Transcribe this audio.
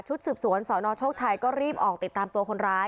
สืบสวนสนโชคชัยก็รีบออกติดตามตัวคนร้าย